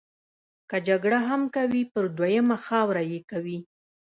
که جګړه هم کوي پر دویمه خاوره یې کوي.